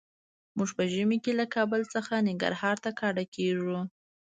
موږ په ژمي کې له کابل څخه ننګرهار ته کډه کيږو.